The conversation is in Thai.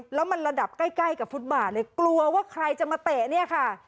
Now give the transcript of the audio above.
แล้วมันระดับใกล้ใกล้กับฟุตบาทเลยกลัวว่าใครจะมาเตะเนี่ยค่ะ